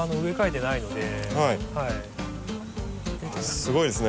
すごいですね。